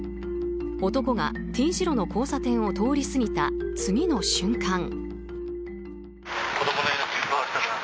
男がＴ字路の交差点を通り過ぎた次の瞬間。